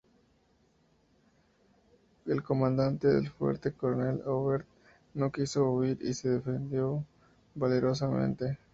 El comandante del fuerte, coronel Aubert, no quiso huir y se defendió valerosamente.